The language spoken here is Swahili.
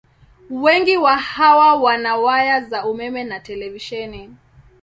Wengi wa hawa wana waya za umeme na televisheni.